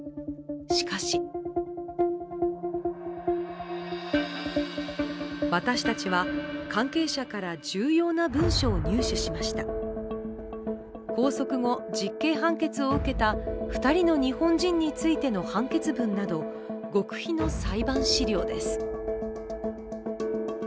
しかし私たちは関係者から重要な文書を入手しました拘束後、実刑判決を受けた２人の日本人についての判決文など極秘の裁判資料です。